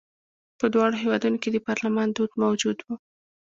په دواړو هېوادونو کې د پارلمان دود موجود و.